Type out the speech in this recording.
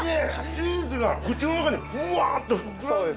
チーズが口の中でふわっと膨らんで！